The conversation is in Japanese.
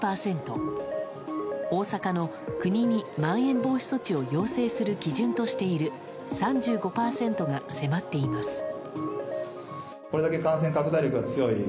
大阪の、国にまん延防止措置を要請する基準としている３５％が迫っています。